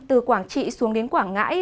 từ quảng trị xuống đến quảng ngãi